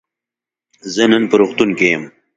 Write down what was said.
زه نن په روغتون کی یم.